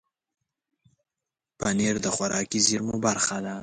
پنېر د خوراکي زېرمو برخه ده.